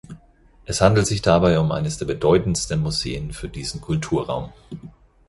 Es handelt sich dabei um eines der bedeutendsten Museen für diesen Kulturraum.